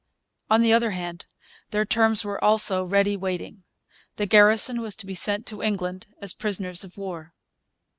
On the other hand, their terms were also ready waiting. The garrison was to be sent to England as prisoners of war.